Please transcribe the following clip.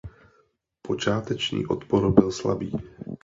Počáteční odpor byl slabý.